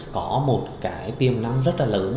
có một cái tiềm năng rất là lớn